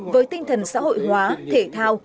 với tinh thần xã hội hóa thể thao